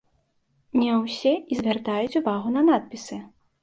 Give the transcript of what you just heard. Не ўсе і звяртаюць увагу на надпісы.